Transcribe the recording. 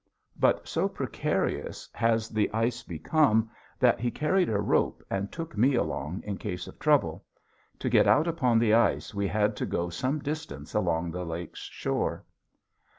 But so precarious has the ice become that he carried a rope and took me along in case of trouble. To get out upon the ice we had to go some distance along the lake's shore.